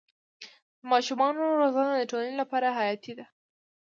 د ماشومانو روزنه د ټولنې لپاره حیاتي ده.